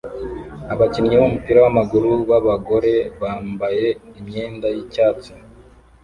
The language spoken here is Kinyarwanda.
abakinnyi b'umupira w'amaguru b'abagore bambaye imyenda y'icyatsi